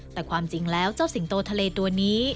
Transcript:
แต่ความจริงแล้วเจ้าสิงโตทะเลตัวนี้